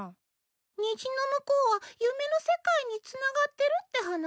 虹の向こうは夢の世界につながってるって話？